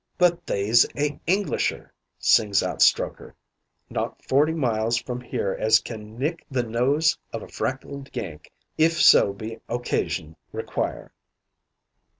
"'But they's a Englisher,' sings out Strokher, 'not forty miles from here as can nick the nose o' a freckled Yank if so be occasion require.'